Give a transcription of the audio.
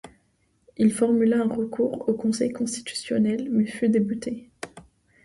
Il formula un recours au conseil constitutionnel mais fut débouté.